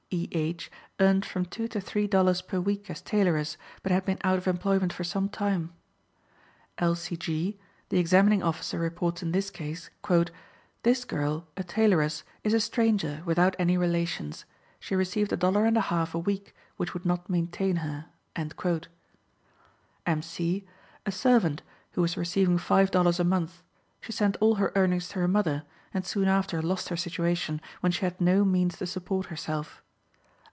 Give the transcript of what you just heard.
E. H. earned from two to three dollars per week as tailoress, but had been out of employment for some time. L. C. G.: the examining officer reports in this case, "This girl (a tailoress) is a stranger, without any relations. She received a dollar and a half a week, which would not maintain her." M. C., a servant, was receiving five dollars a month. She sent all her earnings to her mother, and soon after lost her situation, when she had no means to support herself.